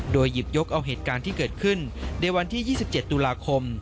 โดยหยิบยกเอาเหตุการณ์ที่เกิดขึ้นในวันที่๒๗ตุลาคม